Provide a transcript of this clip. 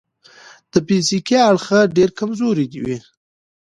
د فزیکي اړخه ډېر کمزوري وي.